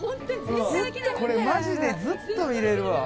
これマジでずっと見れるわ。